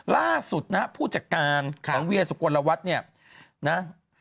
ล่าสุดนะผู้จัดการของเวียสุกลวัฒน์เนี่ยนะ